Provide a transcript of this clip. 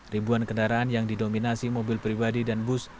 ribuan kendaraan yang didominasi mobil pribadi dan bus